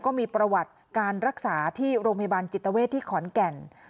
ก็มีประวัติการรักษาที่โรงพยาบาลจิตเวทที่ขอนแก่น